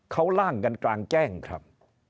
เขาล่างกันกลางแจ้งครับ